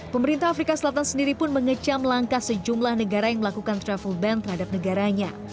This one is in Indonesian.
pemerintah afrika selatan sendiri pun mengecam langkah sejumlah negara yang melakukan travel ban terhadap negaranya